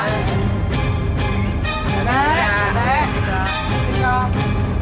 is mutual abadi menurutmu